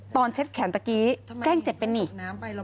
ตอนเช็ดแขนเมื่อกี้แกล้งเจ็บเป็นอย่างไร